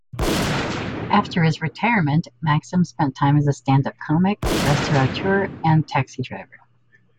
After his retirement Maxim spent time as a stand-up comic, restaurateur, and taxi driver.